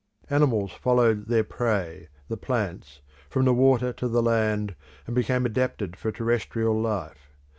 Animals followed their prey, the plants, from the water to the land and became adapted for terrestrial life.